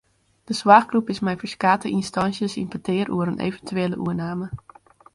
De soarchgroep is mei ferskate ynstânsjes yn petear oer in eventuele oername.